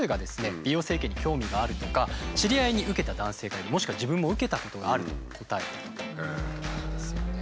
美容整形に興味があるとか知り合いに受けた男性がいるもしくは自分も受けたことがあると答えたということなんですよね。